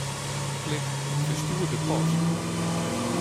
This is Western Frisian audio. Klik Ferstjoerde post.